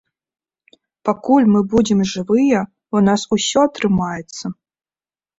Пакуль мы будзем жывыя, у нас усё атрымаецца.